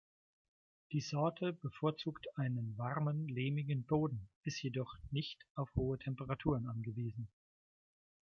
Die Sorte bevorzugt einen warmen lehmigen Boden, ist jedoch nicht auf hohe Temperaturen angewiesen.